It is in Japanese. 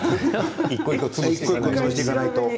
一個一個潰していかないと。